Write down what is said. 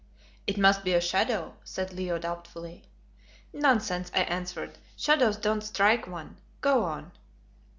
"It must be a shadow," said Leo doubtfully. "Nonsense," I answered, "shadows don't strike one. Go on."